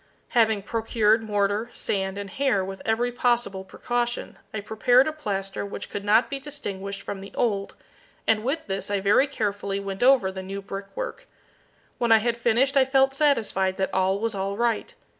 Having procured mortar, sand, and hair with every possible precaution, I prepared a plaster which could not be distinguished from the old, and with this I very carefully went over the new brick work. When I had finished I felt satisfied that all was all right.